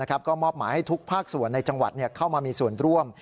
ก็มอบหมายให้ทุกภาคส่วนในจังหวัดเข้ามามีส่วนร่วม